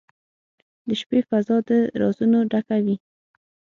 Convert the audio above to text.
• د شپې فضاء د رازونو ډکه وي.